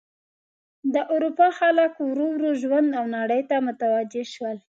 د اروپا خلک ورو ورو ژوند او نړۍ ته متوجه شول.